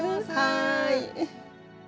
はい。